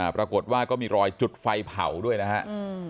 ปรากฏว่าก็มีรอยจุดไฟเผาด้วยนะครับ